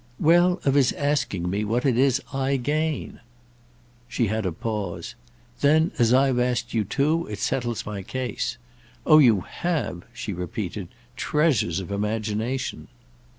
"Well, of his asking me what it is I gain." She had a pause. "Then as I've asked you too it settles my case. Oh you have," she repeated, "treasures of imagination."